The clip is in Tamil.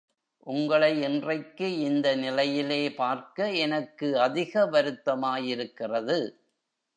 உங்களை இன்றைக்கு இந்த நிலையிலே பார்க்க எனக்கு அதிக வருத்தமாயிருக்கிறது.